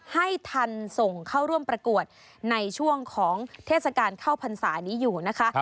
ให้ทันส่งเข้าร่วมประกวดในช่วงของเทศกาลเข้าพรรษานี้อยู่นะคะ